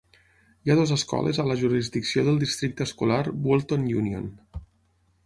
Hi ha dues escoles a la jurisdicció del districte escolar Buellton Union.